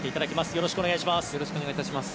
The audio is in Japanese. よろしくお願いします。